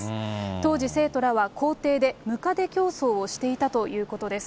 当時生徒らは校庭でムカデ競走をしていたということです。